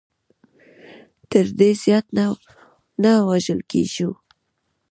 تر دې زیات نه وژل کېږو.